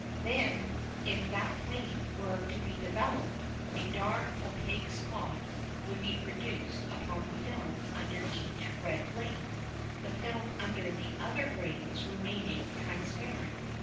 Then, if that plate were to be developed, a dark, opaque spot would be produced upon the film under each red grain, the film under the other grains remaining transparent.